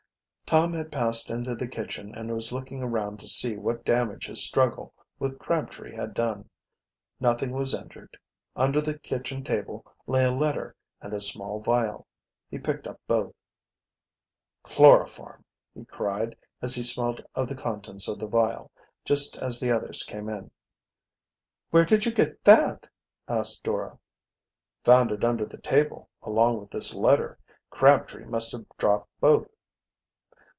Tom had passed into the kitchen and was looking around to see what damage his struggle with Crabtree had done. Nothing was injured. Under the kitchen table lay a letter and a small vial. He picked up both. "Chloroform!" he cried, as he smelt of the contents of the vial, just as the others came in. "Where did you get that?" asked Dora. "Found it under the table, along with this letter. Crabtree must have dropped both."